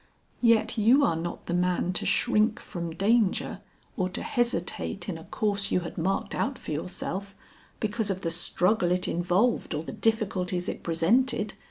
"Yet you are not the man to shrink from danger or to hesitate in a course you had marked out for yourself, because of the struggle it involved or the difficulties it presented!"